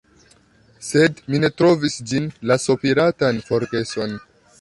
Sed mi ne trovis ĝin, la sopiratan forgeson.